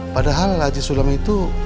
padahal haji sulam itu